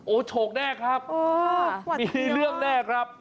โอ้โศกแน่ครับมีที่เลือกแน่ครับ